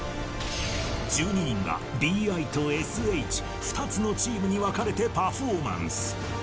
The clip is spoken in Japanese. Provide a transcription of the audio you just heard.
１２人が、Ｂ愛斗ＳＨ、２つのチームに分かれてパフォーマンス。